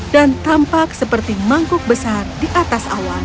dan tampak seperti mangkuk besar di atas awan